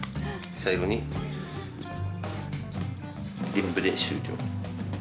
最後にリップで終了。